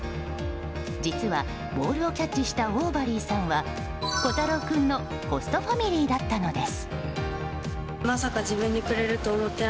実はボールをキャッチしたオーバリーさんは虎太郎君のホストファミリーだったのです。